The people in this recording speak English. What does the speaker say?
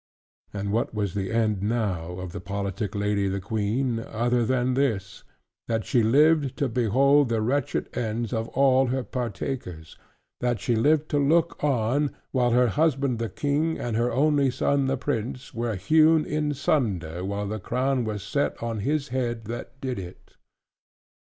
And what was the end now of that politic lady the Queen, other than this, that she lived to behold the wretched ends of all her partakers: that she lived to look on, while her husband the King, and her only son the Prince, were hewn in sunder; while the Crown was set on his head that did it.